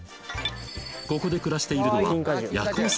ここで暮らしているのはあカワウソ！